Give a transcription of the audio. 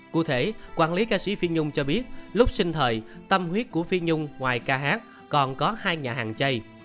cụ thể quản lý ca sĩ phi nhung cho biết lúc sinh thời tâm huyết của phi nhung ngoài ca hát còn có hai nhà hàng chay